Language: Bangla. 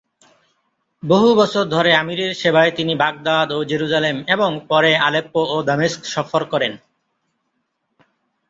বহু বছর ধরে আমিরের সেবায় তিনি বাগদাদ ও জেরুজালেম এবং পরে আলেপ্পো ও দামেস্ক সফর করেন।